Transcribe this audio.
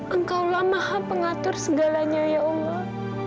engkau lah maha pengatur segalanya ya allah